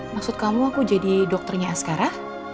maksud kamu aku jadi dokternya askara